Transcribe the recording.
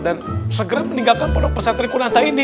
dan segera meninggalkan pondok pesantren kun antah ini